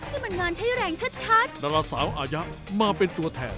นี่มันนานใช้แรงชัดนักลักษณะสาวอาญะมาเป็นตัวแทน